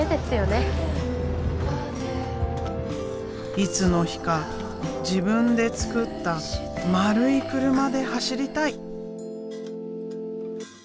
いつの日か自分で作った丸い車で走りたい！